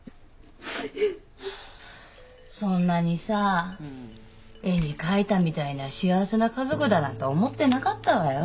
そんなにさ絵に描いたみたいな幸せな家族だなんて思ってなかったわよ。